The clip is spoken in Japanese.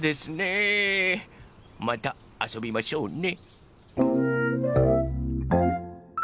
またあそびましょうね。